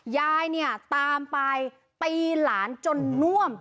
ยายเนี่ยตามไปตีหลานจนน่วม